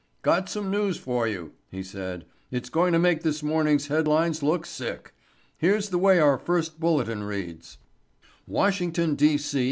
"Got some news for you," he said. "It's going to make this morning's headlines look sick. Here's the way our first bulletin reads: "'Washington, D. C.